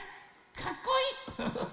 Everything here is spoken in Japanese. かっこいい！